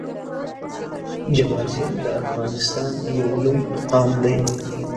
جبارخیل د افغانستان یو لوی قام دی